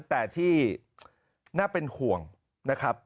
แต่ที่น่าเป็นห่วงนะครับ